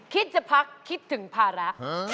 คิดจะพักคิดถึงภาระ